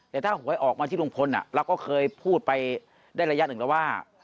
แต่ถ้าหวยออกมาที่ลุงพลเราก็เคยพูดไปได้ระยะหนึ่งแล้วว่า